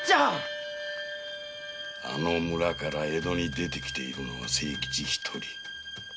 あの村から江戸に出て来ているのは清吉一人。